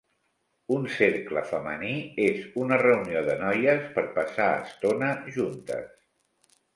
Un "cercle femení" és una reunió de noies per passar estona juntes.